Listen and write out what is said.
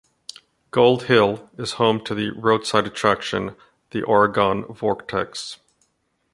Gold Hill is home to the roadside attraction the Oregon Vortex.